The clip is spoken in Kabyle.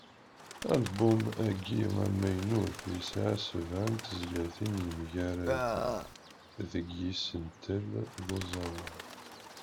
Album-agi amaynut, yesɛa sebεa n tezlatin yemgaraden deg yisental d uẓawan.